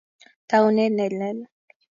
Taunet nelel